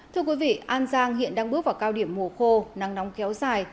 thưa quý vị an giang hiện đang bước vào cao điểm mùa khô nắng nóng kéo dài